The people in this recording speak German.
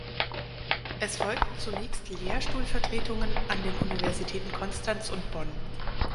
Es folgten zunächst Lehrstuhlvertretungen an den Universitäten Konstanz und Bonn.